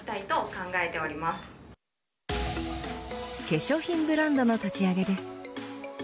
化粧品ブランドの立ち上げです。